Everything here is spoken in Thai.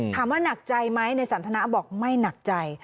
หนักใจไหมในสันทนาบอกไม่หนักใจ